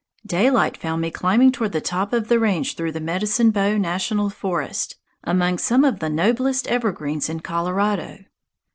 Daylight found me climbing toward the top of the range through the Medicine Bow National Forest, among some of the noblest evergreens in Colorado.